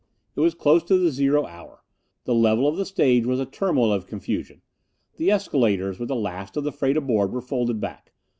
It was close to the zero hour: the level of the stage was a turmoil of confusion. The escalators, with the last of the freight aboard, were folded back.